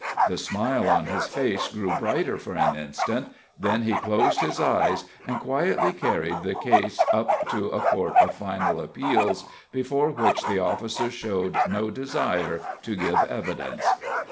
The smile on his face grew brighter for an instant, then he closed his eyes and quietly carried the case up to a Court of Final Appeals, before which the officer showed no desire to give evidence.